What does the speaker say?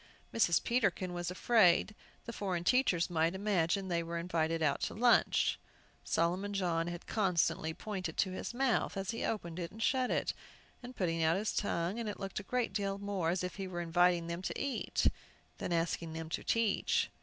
Mrs. Peterkin was afraid the foreign teachers might imagine they were invited out to lunch. Solomon John had constantly pointed to his mouth as he opened it and shut it, putting out his tongue; and it looked a great deal more as if he were inviting them to eat, than asking them to teach.